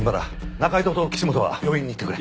仲井戸と岸本は病院に行ってくれ。